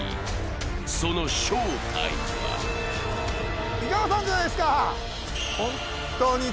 その正体は井川さんじゃないですか。